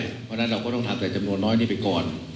เพราะฉะนั้นเราก็ต้องทำแต่จำนวนน้อยนี้ไปก่อน